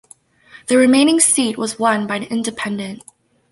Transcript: The remaining seat was won by an Independent.